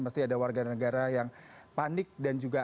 pasti ada warga negara yang panik dan juga